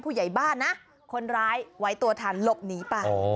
ผู้ใหญ่บ้านนะคนร้ายไว้ตัวทันหลบหนีไป